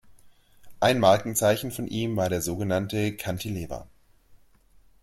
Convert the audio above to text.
Ein Markenzeichen von ihm war der sogenannte "cantilever".